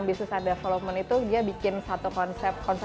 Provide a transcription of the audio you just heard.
yang bisnis dan pengembangan itu dia bikin satu konsep